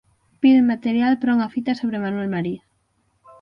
Piden material para unha fita sobre Manuel María